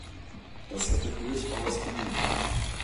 Das hätte durchaus genügt.